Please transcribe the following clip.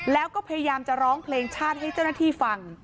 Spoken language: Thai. แล้วก็พยายามจะร้องเพลงชาติให้เจ้าหน้าที่ฟัง